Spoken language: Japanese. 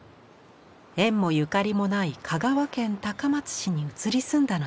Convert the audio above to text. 縁もゆかりもない香川県高松市に移り住んだのです。